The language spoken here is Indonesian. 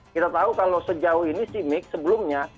kita tahu kalau sejauh ini simic sebelumnya